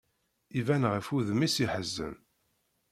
Iban ɣef wudem-is yeḥzen.